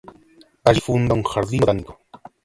Allí funda un jardín botánico.